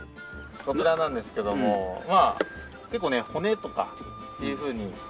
こちらなんですけどもまあ結構ね骨とかっていうふうに。